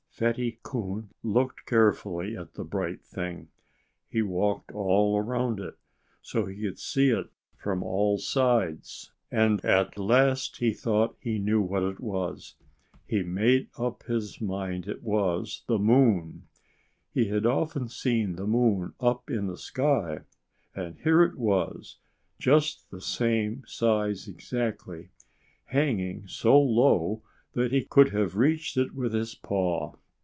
Fatty Coon looked carefully at the bright thing. He walked all around it, so he could see it from all sides. And at last he thought he knew what it was. He made up his mind that it was the moon! He had often seen the moon up in the sky; and here it was, just the same size exactly, hanging so low that he could have reached it with his paw.